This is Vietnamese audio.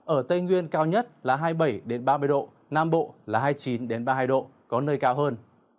ở tây nguyên cao nhất là hai mươi bảy ba mươi độ nam bộ là hai mươi chín ba mươi hai độ có nơi cao hơn